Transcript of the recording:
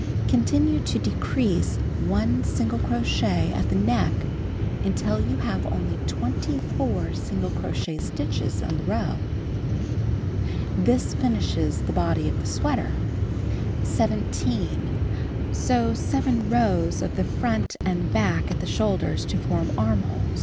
Continue to decrease 1 single crochet at the neck until you have only 24 single crochet stitches in the row. The Magic Paper 245 This finishes the body of the sweater. 17. Sew 7 rows of the front and back at the shoulders to form armholes.